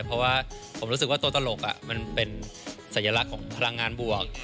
เพราะว่าผมรู้สึกว่าตัวตลกมันเป็นสัญลักษณ์ของพลังงานบวก